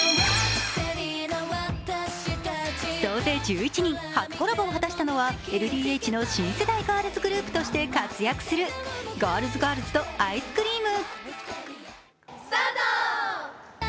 総勢１１人初コラボを果たしたのはＬＤＨの新世代ガールズグループとして活躍するＧｉｒｌｓ２とｉＳｃｒｅａｍ。